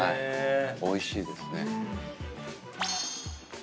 おいしいですね。